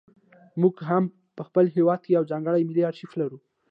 موږ هم په خپل هېواد کې یو ځانګړی ملي ارشیف لرو.